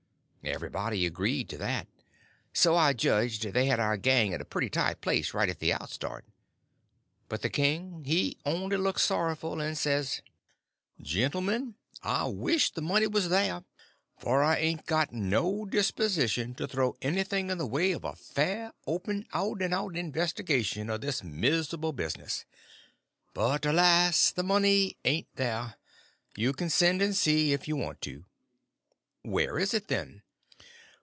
Everybody agreed to that. So I judged they had our gang in a pretty tight place right at the outstart. But the king he only looked sorrowful, and says: "Gentlemen, I wish the money was there, for I ain't got no disposition to throw anything in the way of a fair, open, out and out investigation o' this misable business; but, alas, the money ain't there; you k'n send and see, if you want to." "Where is it, then?"